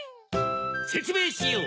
せつめいしよう